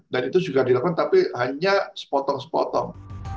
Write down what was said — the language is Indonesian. dan itu juga dilakukan tapi hanya sepotong sepotong